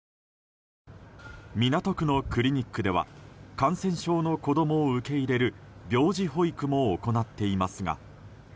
港区のクリニックでは感染症の子供を受け入れる病児保育も行っていますが。